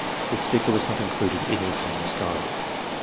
This figure was not included in the Examiner's Guide.